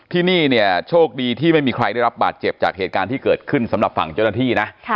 ที่นี่เนี่ยโชคดีที่ไม่มีใครได้รับบาดเจ็บจากเหตุการณ์ที่เกิดขึ้นสำหรับฝั่งเจ้าหน้าที่นะ